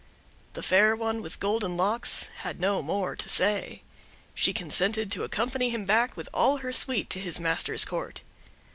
The Fair One with Golden Locks had no more to say. She consented to accompany him back, with all her suite, to his master's court.